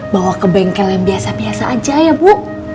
bawa ke bengkel yang biasa biasa aja ya bu